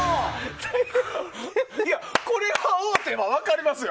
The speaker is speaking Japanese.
これは王手は分かりますよ。